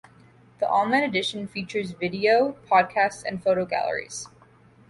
The online edition features video, podcasts and photo galleries.